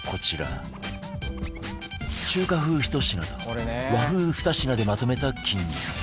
中華風１品と和風２品でまとめたキング